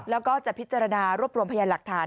แล้วก็จะพิจารณารวบรวมพยานหลักฐาน